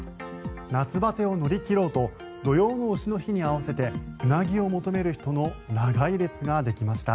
夏バテを乗り切ろうと土用の丑の日に合わせてウナギを求める人の長い列ができました。